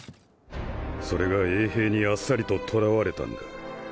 それが衛兵にあっさりと捕らわれたんだ。